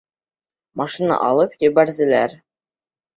Машина алып ебәрҙеләр.